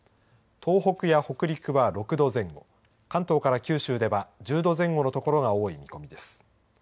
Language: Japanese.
東北や北陸では６度前後関東から九州では１０度前後の所が多い見込みです。